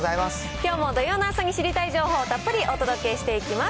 きょうも土曜の朝に知りたい情報をたっぷりお届けしていきます。